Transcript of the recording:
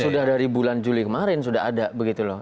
sudah dari bulan juli kemarin sudah ada begitu loh